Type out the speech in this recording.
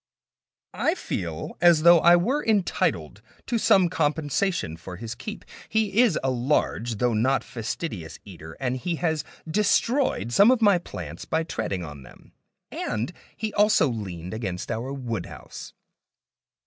I feel as though I were entitled to some compensation for his keep. He is a large though not fastidious eater, and he has destroyed some of my plants by treading on them; and he also leaned against our woodhouse.